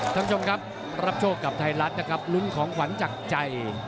ท่านผู้ชมครับรับโชคกับไทยรัฐนะครับลุ้นของขวัญจากใจ